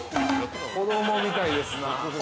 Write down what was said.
◆子供みたいですなあ。